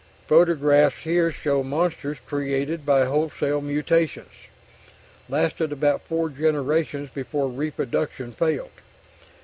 photographs here show monsters created by wholesale mutations ... lasted about four generations before reproduction failed